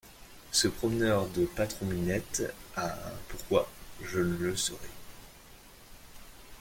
Ce promeneur de patron-minette a un pourquoi, je le saurai.